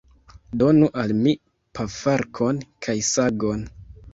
Donu al mi pafarkon kaj sagon.